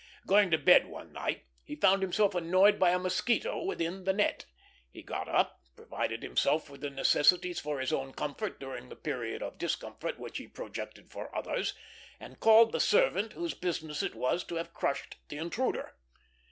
Going to bed one night, he found himself annoyed by a mosquito within the net. He got up, provided himself with the necessities for his own comfort during the period of discomfort which he projected for others, and called the servant whose business it was to have crushed the intruder.